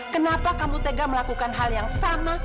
kenapa kamu tega melakukan hal yang sama